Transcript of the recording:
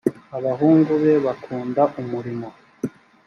abahungu be bakunda umurimo.